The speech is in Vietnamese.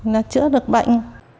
nó chữa được bệnh